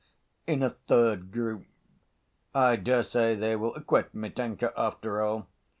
In a third group: "I dare say they will acquit Mitenka, after all."